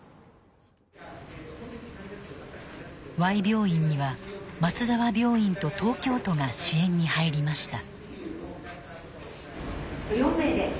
Ｙ病院には松沢病院と東京都が支援に入りました。